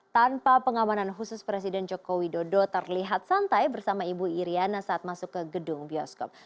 tanpa pengamanan khusus presiden joko widodo terlihat santai bersama ibu iryana saat masuk ke gedung bioskop